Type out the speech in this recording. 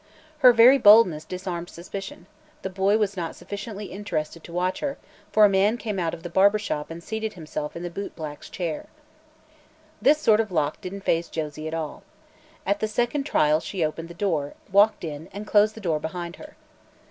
Her very boldness disarmed suspicion; the boy was not sufficiently interested to watch her, for a man came out of the barber shop and seated himself in the boot black's chair. This sort of lock didn't phase Josie at all. At the second trial she opened the door, walked in and closed the door behind her.